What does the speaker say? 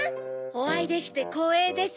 おあいできてこうえいです